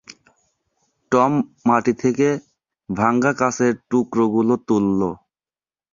Tom মাটি থেকে ভাঙ্গা কাঁচের টুকরোগুলো তুললো।